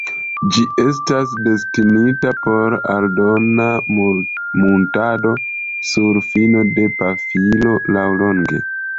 Ĝi estas destinita por aldona muntado sur fino de pafilo laŭlonge.